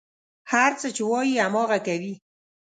هر څه چې وايي، هماغه کوي.